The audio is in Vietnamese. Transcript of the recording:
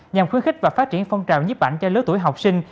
nhằm khuyến khích và phát triển phong trào nhíp ảnh cho lớp tuổi học sinh